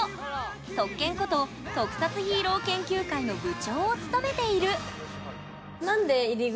特研こと特撮ヒーロー研究会の部長を務めている。